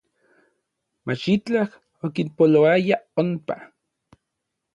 Machitlaj okinpoloaya onpa.